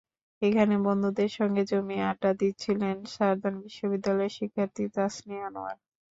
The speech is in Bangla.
এখানে বন্ধুদের সঙ্গে জমিয়ে আড্ডা দিচ্ছিলেন সাদার্ন বিশ্ববিদ্যালয়ের শিক্ষার্থী তাসনিয়া আনোয়ার।